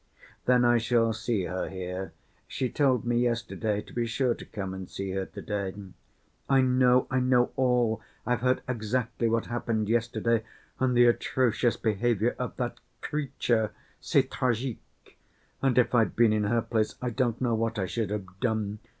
"Then I shall see her here. She told me yesterday to be sure to come and see her to‐day." "I know, I know all. I've heard exactly what happened yesterday—and the atrocious behavior of that—creature. C'est tragique, and if I'd been in her place I don't know what I should have done.